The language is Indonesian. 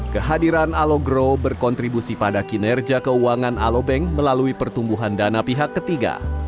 kehadiran alogrow berkontribusi pada kinerja keuangan alobank melalui pertumbuhan dana pihak ketiga